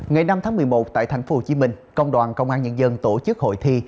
ngày năm tháng một mươi một tại tp hcm công đoàn công an nhân dân tổ chức hội thi